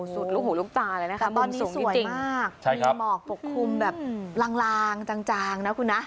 ลูกหูลูกตาเลยนะคะตอนนี้สวยมากมีหมอกปกคลุมแบบลางจางนะคุณนะ